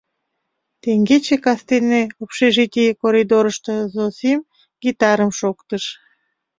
— Теҥгече кастене общежитий коридорышто Зосим гитарым шоктыш.